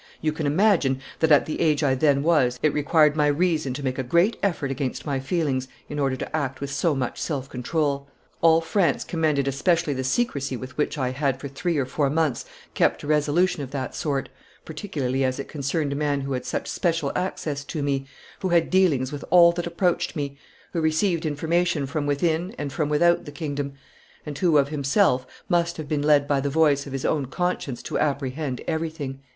You can imagine that at the age I then was it required my reason to make a great effort against my feelings in order to act with so much self control. All France commended especially the secrecy with which I had for three or four months kept a resolution of that sort, particularly as it concerned a man who had such special access to me, who had dealings with all that approached me, who received information from within and from without the kingdom, and who, of himself, must have been led by the voice of his own conscience to apprehend everything."